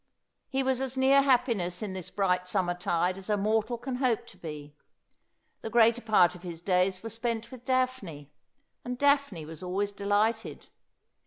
He was as near happiness in this bright summer tide as a mortal can hope to be. The greater part of his days were spent with Daphne, and Daphne was always delighted.